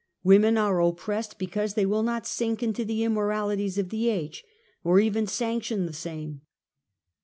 Women are oppressed because they will not sink into the immoralities of the age, or even sanction the same.